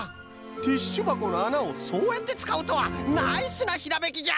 ティッシュばこのあなをそうやってつかうとはナイスなひらめきじゃ！